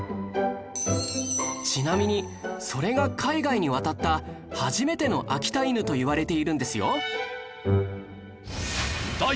ちなみにそれが海外に渡った初めての秋田犬といわれているんですよ